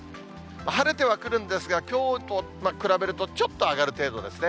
晴れてはくるんですが、きょうと比べると、ちょっと上がる程度ですね。